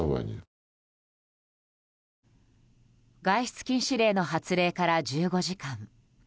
外出禁止令の発令から１５時間。